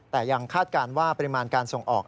แต่ยังคาดการณ์ว่าปริมาณการส่งออก